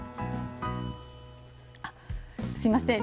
あっすいません。